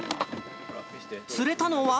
釣れたのは？